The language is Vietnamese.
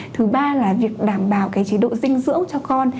thứ ba là việc đảm bảo chế độ dinh dưỡng cho con